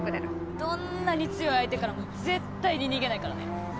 どんなに強い相手からも絶対に逃げないからね